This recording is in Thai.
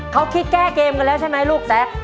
เขาคิดแก้เกมกันแล้วใช่ไหมลูกแซ็ก